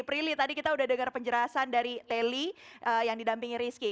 prilly tadi kita udah dengar penjelasan dari teli yang didampingi rizky